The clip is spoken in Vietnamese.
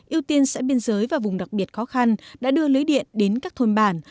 ưu tiên xã biên giới và vùng đặc biệt khó khăn đã đưa lưới điện đến các thôn bản